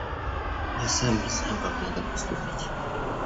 Я сам не знаю, как надо поступить.